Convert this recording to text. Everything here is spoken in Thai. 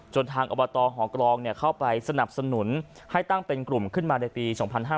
ทางอบตหอกรองเข้าไปสนับสนุนให้ตั้งเป็นกลุ่มขึ้นมาในปี๒๕๕๙